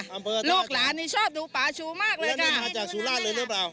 อำเภอท่าฉางลูกหลานนี่ชอบดูป่าชูมากเลยค่ะแล้วนี่มาจากสุราชเลยหรือเปล่า